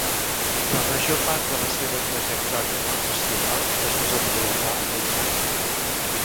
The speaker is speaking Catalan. La major part de la seva trajectòria professional es desenvolupà a Itàlia.